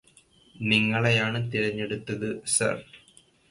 നിങ്ങളെയാണ് തിരഞ്ഞെടുത്തത് സര്